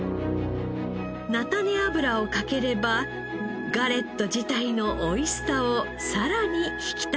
菜種油をかければガレット自体のおいしさをさらに引き立ててくれます。